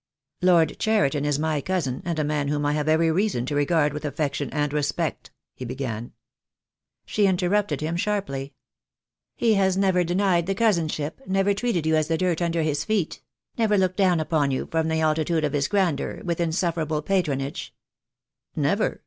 "Lord Cheriton is my cousin, and a man whom I have every reason to regard with affection and respect," he began. She interrupted him sharply. "He has never denied the cousinship, never treated you as the dirt under his feet — never looked down upon you from the altitude of his grandeur, with insufferable patronage " "Never.